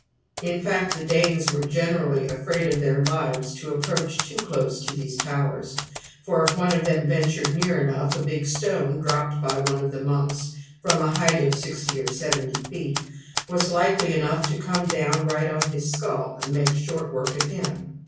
In fact the Danes were generally afraid of their lives to approach too close to these towers; for if one of them ventured near enough, a big stone, dropped by one of the monks from a height of sixty or seventy feet, was likely enough to come down right on his skull and make short work of him.